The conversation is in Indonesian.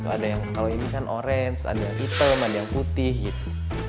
ada yang kalau ini kan orange ada yang hitam ada yang putih gitu